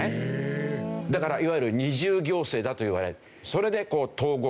だからいわゆる二重行政だといわれ。